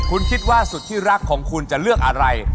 คุณคิดว่าสุดที่รักของคุณจะเลือกอะไร